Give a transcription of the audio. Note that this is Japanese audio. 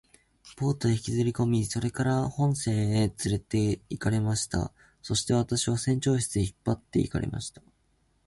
ボートへ引きずりこみ、それから本船へつれて行かれました。そして私は船長室へ引っ張って行かれました。